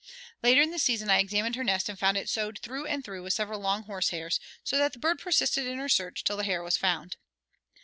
Later in the season I examined her nest and found it sewed through and through with several long horse hairs, so that the bird persisted in her search till the hair was found.